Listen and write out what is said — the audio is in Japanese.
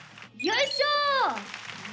よいしょ！